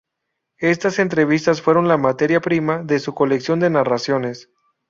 Estas entrevistas fueron la materia prima de su colección de narraciones.